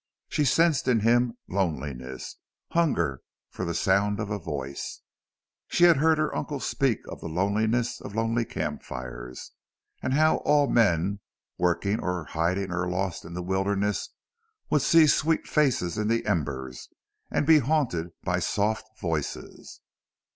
She sensed in him loneliness, hunger for the sound of a voice. She had heard her uncle speak of the loneliness of lonely camp fires and how all men working or hiding or lost in the wilderness would see sweet faces in the embers and be haunted by soft voices.